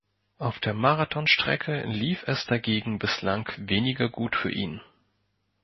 Auf der Marathonstrecke lief es dagegen bislang weniger gut für ihn.